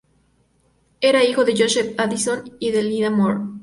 Era hijo de Joseph Addison y de Lydia More.